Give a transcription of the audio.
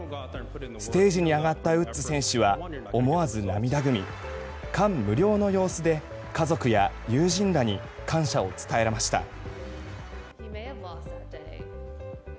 ステージに上がったウッズ選手は思わず涙ぐみ感無量の様子で家族や友人らに感謝を伝えました。